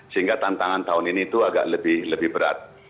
sehingga tantangan tahun ini itu agak lebih berat